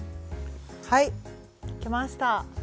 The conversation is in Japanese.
はいできました！